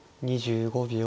２５秒。